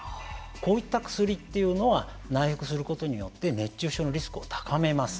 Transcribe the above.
こういった薬というのは内服することによって熱中症のリスクを高めます。